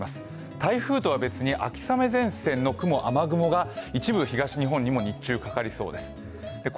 台風とは別に秋雨前線の雲・雨雲が一部東日本にも日中かかりそうです。